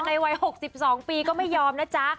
วัย๖๒ปีก็ไม่ยอมนะจ๊ะ